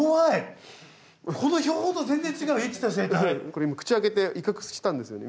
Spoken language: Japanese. これ口開けて威嚇したんですよね。